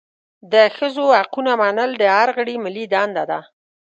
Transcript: د ښځو حقونه منل د هر غړي ملي دنده ده.